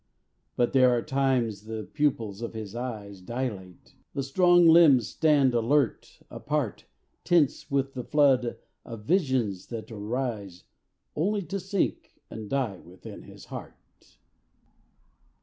But there are times the pupils of his eyes Dilate, the strong limbs stand alert, apart, Tense with the flood of visions that arise Only to sink and die within his heart.